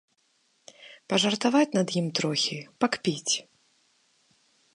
Пажартаваць над ім трохі, пакпіць.